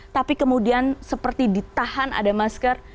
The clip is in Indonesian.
tapi kemudian seperti ditahan ada masker